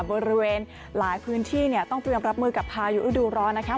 บริเวณหลายพื้นที่เนี่ยต้องเตรียมรับมือกับพายุฤดูร้อนนะคะ